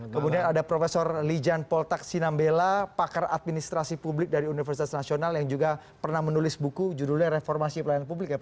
kemudian ada prof lijan poltak sinambela pakar administrasi publik dari universitas nasional yang juga pernah menulis buku judulnya reformasi pelayanan publik ya